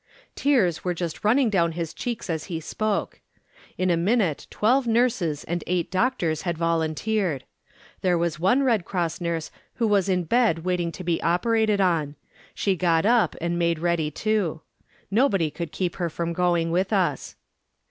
Tears were just running down his cheeks as he spoke. In a minute twelve nurses and eight doctors had volunteered. There was one Red Cross nurse who was in bed waiting to be operated on. She got up and made ready too. Nobody could keep her from going with us.